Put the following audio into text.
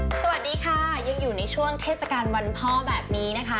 สวัสดีค่ะยังอยู่ในช่วงเทศกาลวันพ่อแบบนี้นะคะ